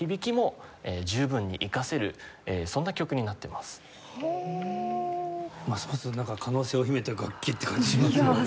ますますなんか可能性を秘めてる楽器って感じしますよね。